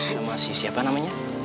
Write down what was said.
sama si siapa namanya